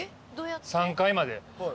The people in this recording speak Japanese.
３階まで。